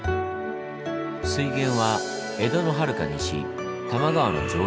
水源は江戸のはるか西多摩川の上流。